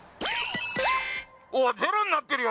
おいゼロになってるよ